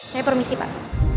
saya permisi pak